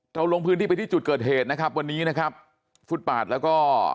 ลงพื้นที่ไปที่จุดเกิดเหตุนะครับวันนี้นะครับฟุตปาดแล้วก็